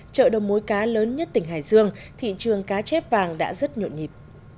chợ đầu mối cá lớn nhất tỉnh hải dương thị trường cá chép vàng đã rất nhộn nhịp